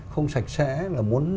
không sạch sẽ là muốn